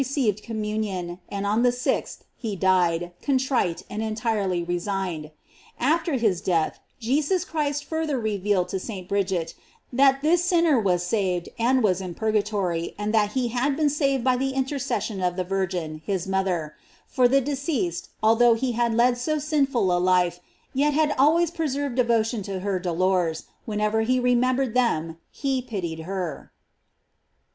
ceived communion, and on the sixth he dieu, contrite and entirely resigned. After his death, Jesus Christ further revealed to St. Bridget, that this sinner wa» saved, and was in purgatory, and that he had been saved by the intercession of the Virgin, his mother; for the deceased, al though he had led so sinful a life, yet had al ways preserved devotion to her dolors, when* ever he remembered them he pitied her.